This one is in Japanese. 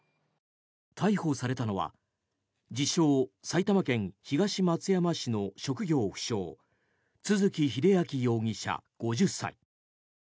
逮捕されたのは自称・埼玉県東松山市の職業不詳都築英明容疑者、５０歳。